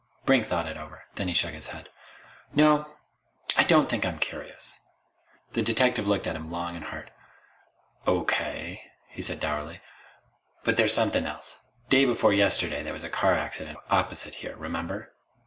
Brink thought it over. Then he shook his head. "No. I don't think I'm curious." The detective looked at him long and hard. "O.K.," he said dourly. "But there's something else. Day before yesterday there was a car accident opposite here. Remember?"